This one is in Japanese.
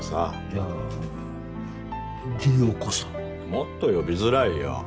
もっと呼びづらいよ。